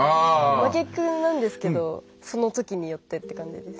真逆なんですけどそのときによってって感じです。